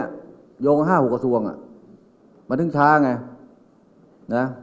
มันถึง๕หกส่วนมันถึงช้าไง